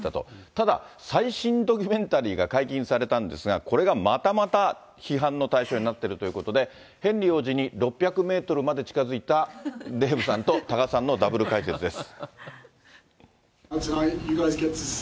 ただ、最新ドキュメンタリーが解禁されたんですが、これがまたまた批判の対象になっているということで、ヘンリー王子に６００メートルまで近づいたデーブさんと、多賀さんのダブル解説です。